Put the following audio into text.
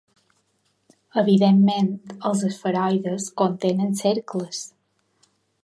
Evidentment, els esferoides contenen cercles.